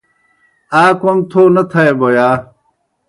آ کوْم تھو نہ تھائے بوْ یا؟